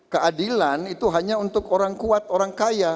keadilan itu hanya untuk orang kuat orang kaya